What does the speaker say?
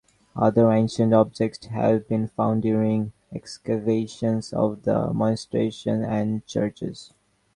Other ancient objects have been found during excavations of the monasteries and churches.